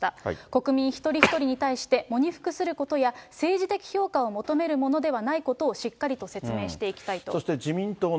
国民一人一人に対して喪に服することや、政治的評価を求めるものではないことをしっかりと説明していきたいと。